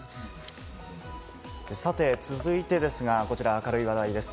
さて続いてですが、こちらは明るい話題です。